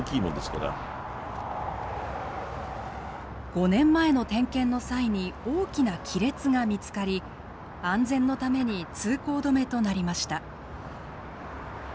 ５年前の点検の際に大きな亀裂が見つかり安全のために通行止めとなりました。